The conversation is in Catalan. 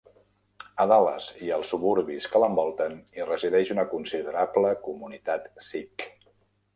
A Dallas i als suburbis que l'envolten hi resideix una considerable comunitat sikh.